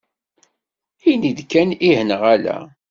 Ini-d kan ih neɣ ala.